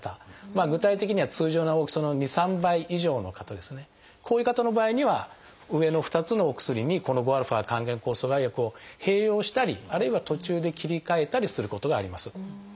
具体的には通常の大きさの２３倍以上の方こういう方の場合には上の２つのお薬にこの５α還元酵素阻害薬を併用したりあるいは途中で切り替えたりすることがあります。